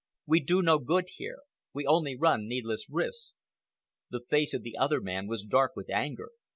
We do no good here. We only run needless risks." The face of the other man was dark with anger.